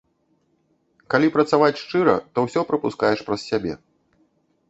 Калі працаваць шчыра, то ўсё прапускаеш праз сябе.